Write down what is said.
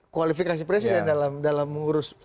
kualifikasi presiden dalam mengurus